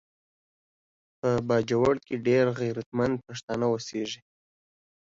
په باجوړ کې ډیر غیرتمند پښتانه اوسیږي